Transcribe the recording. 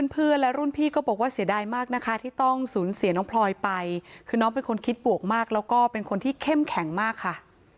เพื่อนและรุ่นพี่ก็บอกว่าเสียดายมากนะคะที่ต้องสูญเสียน้องพลอยไปคือน้องเป็นคนคิดบวกมากแล้วก็เป็นคนที่เข้มแข็งมากค่ะ